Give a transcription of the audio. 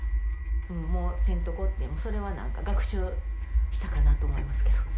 もうせんとこってそれは学習したかなと思いますけど。